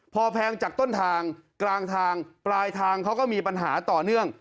พอแพงจากต้นทางกลางทางปลายทางเขาก็มีปัญหาต่อเนื่อง